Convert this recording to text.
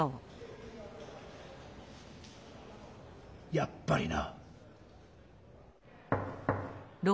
やっぱりな。